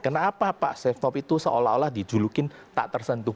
kenapa pak setnov itu seolah olah dijulukin tak tersentuh